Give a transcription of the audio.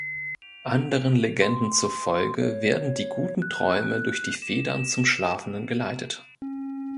Anderen Legenden zur Folge werden die guten Träume durch die Federn zum Schlafenden geleitet.